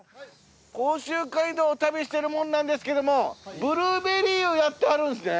甲州街道を旅してる者なんですけどもブルーベリーをやってはるんですね？